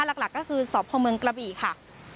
หลักก็คือสพเมืองกระบี่ค่ะ